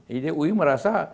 jadi ui merasa